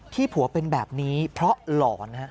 ผัวเป็นแบบนี้เพราะหลอน